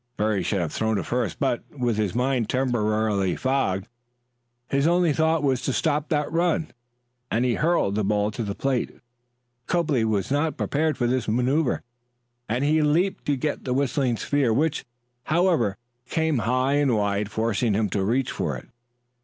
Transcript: Berry should have thrown to first, but, with his mind temporarily fogged, his only thought was to stop that run, and he hurled the ball to the plate. Copley was not prepared for this manoeuvre, and he leaped to get the whistling sphere, which, however, came high and wide, forcing him to reach for it.